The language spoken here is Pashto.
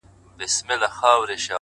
د سرو شرابو د خُمونو د غوغا لوري،